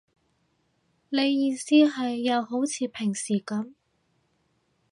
你意思係，又好似平時噉